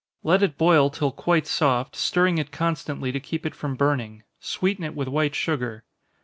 Let it boil till quite soft, stirring it constantly to keep it from burning sweeten it with white sugar.